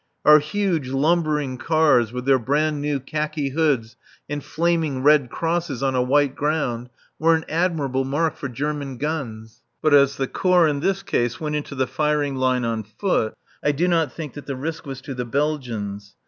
Our huge, lumbering cars, with their brand new khaki hoods and flaming red crosses on a white ground, were an admirable mark for German guns. But as the Corps in this case went into the firing line on foot, I do not think that the risk was to the Belgians.